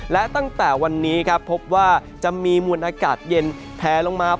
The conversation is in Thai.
และตั้งแต่วันนี้ครับพบว่าจะมีมวลอากาศเย็นแพลลงมา